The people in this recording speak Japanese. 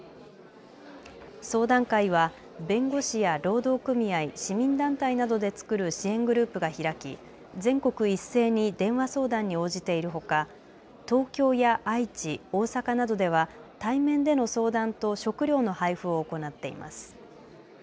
相談会は弁護士や労働組合、市民団体などで作る支援グループが開き、全国一斉に電話相談に応じているほか東京や愛知、大阪などでは対面での相談と食料の配布を行っています。